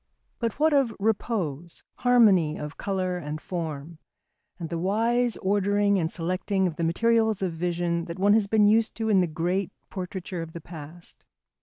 But what of repose, harmony of colour and form, and the wise ordering and selecting of the materials of vision that one has been used to in the great portraiture of the past?